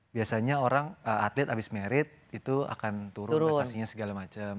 biasanya orang atlet abis merit itu akan turun prestasinya segala macam